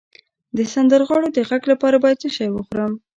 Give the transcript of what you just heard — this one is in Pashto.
د سندرغاړو د غږ لپاره باید څه شی وخورم؟